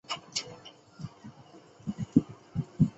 垂穗莎草是莎草科莎草属的植物。